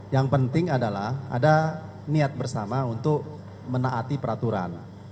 yang penting adalah ada niat bersama untuk menaati peraturan